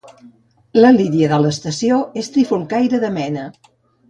La Lídia de l'estació és trifulcaire de mena